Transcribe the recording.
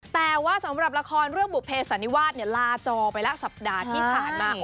แต่ว่าสำหรับละครเรื่องบุภเสันนิวาสลาจอไปแล้วสัปดาห์ที่ผ่านมา